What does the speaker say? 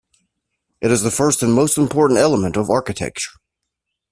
It is the first and most important element of architecture.